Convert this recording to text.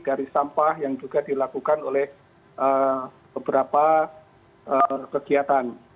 dari sampah yang juga dilakukan oleh beberapa kegiatan